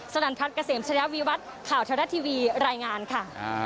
สกกระเสมฉวีวัฒน์ข่าวไทยรัฐทีวีรายงานค่ะ